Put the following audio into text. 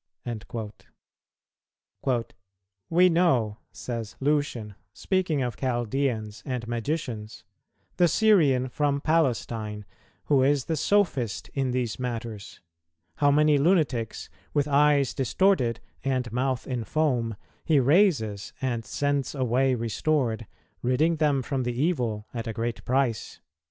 "[229:4] "We know," says Lucian, speaking of Chaldeans and Magicians, "the Syrian from Palestine, who is the sophist in these matters, how many lunatics, with eyes distorted and mouth in foam, he raises and sends away restored, ridding them from the evil at a great price."